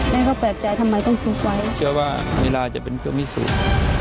แม่เขาแปลกใจทำไมต้องซุกไว้เชื่อว่าเวลาจะเป็นเวลามิสุทธิ์